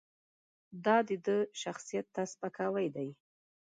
دا د ده شخصیت ته سپکاوی دی.